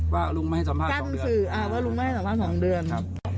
ว่าลุงไม่ให้สัมภาษณ์๒เดือน